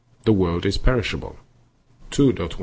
The world is perishable. 11; 339.